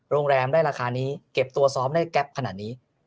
โรงแรมได้ราคานี้เก็บตัวซ้อมได้แก๊ปขนาดนี้